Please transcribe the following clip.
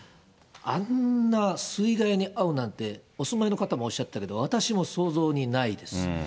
あんな水害に遭うなんて、お住まいの方もおっしゃってたけど、私も想像にないです。